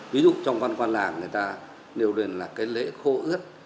ví dụ trong văn quan làng người ta nêu đến là cái lễ khô ướt